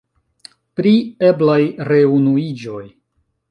Pri eblaj reunuiĝoj.